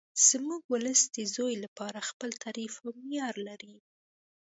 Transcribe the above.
زموږ ولس د زوی لپاره خپل تعریف او معیار لري